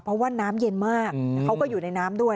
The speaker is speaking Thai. เพราะว่าน้ำเย็นมากเขาก็อยู่ในน้ำด้วย